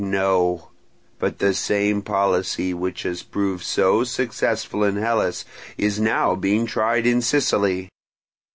No; but the same policy which has proved so successful in Hellas is now being tried in Sicily.